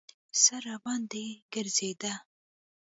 سر راباندې ګرځېده.